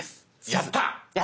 やった！